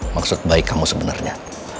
maksud baik kamu sebenernya